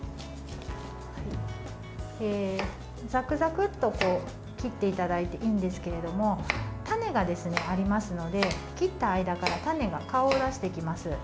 ざくざくと切っていただいていいんですけれども種がありますので、切った間から種が顔を出してきます。